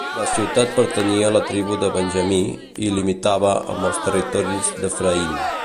La ciutat pertanyia a la tribu de Benjamí, i limitava amb els territoris d'Efraïm.